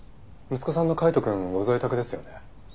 息子さんの海斗くんご在宅ですよね？